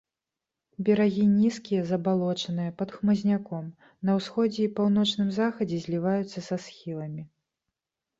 Берагі нізкія, забалочаныя, пад хмызняком, на ўсходзе і паўночным-захадзе зліваюцца са схіламі.